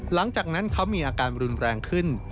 หลังจากนั้นเขามีอาการรุนแรงขึ้น